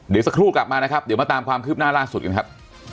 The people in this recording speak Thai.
เดี๋ยวสักครู่กลับมานะครับเดี๋ยวมาตามความคืบหน้าล่าสุดกันครับ